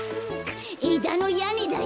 えだのやねだよ。